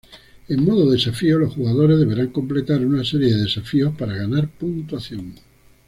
En modo desafío, los jugadores deberán completar una serie de desafíos para ganar puntuación.